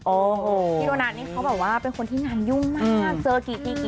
โอ้โฮพี่โดนัทนี่เขาแบบว่าเป็นคนที่งานยุ่งมาก